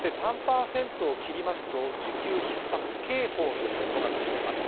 ３％を切りますと需給ひっ迫警報というものが出されます。